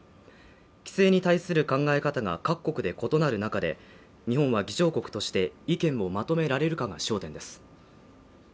規制に対する考え方が各国で異なる中で、日本は議長国として意見をまとめられるかが焦点です。